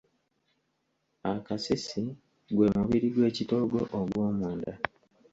Akasisi gwe mubiri gw’ekitoogo ogw’omunda.